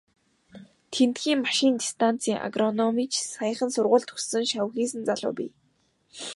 Тэндхийн машинт станцын агрономич, саяхан сургууль төгссөн шавхийсэн залуу бий.